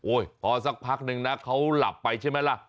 อุ๊ยพอสักพักหนึ่งน่ะเขาหลับไปใช่มั้ยล่ะ